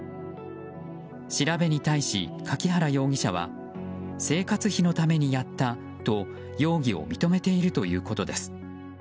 調べに対し、柿原容疑者は生活費のためにやったと容疑を認めているということです。